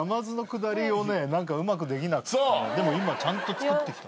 でも今ちゃんと作ってきた。